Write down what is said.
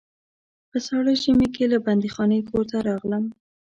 په ساړه ژمي کې له بندیخانې کور ته راغلم.